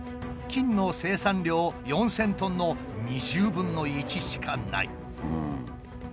金の生産量４，０００トンの２０分の１しかない。